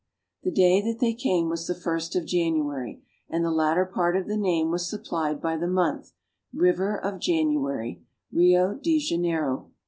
The day that they came was the ist of January, and the latter part of the name was supplied by the month —" River of January," Rio de Janeiro.